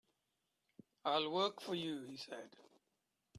"I'll work for you," he said.